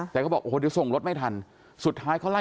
แต่เขาบอกโอ้โหเดี๋ยวส่งรถไม่ทันสุดท้ายเขาไล่